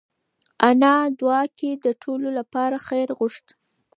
انا په دعا کې د ټولو لپاره خیر وغوښت.